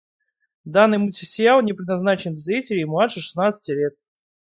Данный мультсериал не предназначен для зрителей младше шестнадцати лет.